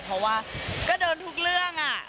เพราะว่าก็โดนทุกเรื่อง